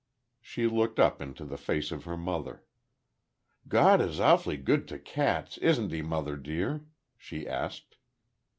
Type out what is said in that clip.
She looked up into the face of her mother. "God is awfully good to cats, isn't He, mother dear?" she asked.